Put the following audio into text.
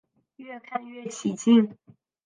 越看越起劲